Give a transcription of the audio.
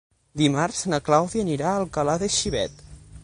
Dimarts na Clàudia anirà a Alcalà de Xivert.